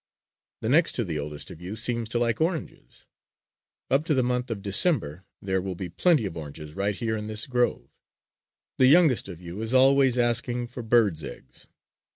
The next to the oldest of you seems to like oranges. Up to the month of December there will be plenty of oranges right here in this grove. The youngest of you is always asking for birds' eggs.